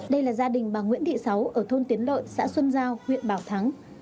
đây là gia đình bà nguyễn thị sáu ở thôn tiến lợi xã xuân giao huyện bảo thắng